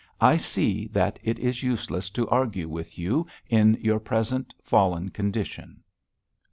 'I see that it is useless to argue with you in your present fallen condition.'